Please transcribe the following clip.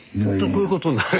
こういうことになる。